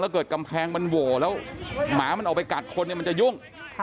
เกิดกำแพงมันโหวแล้วหมามันออกไปกัดคนเนี่ยมันจะยุ่ง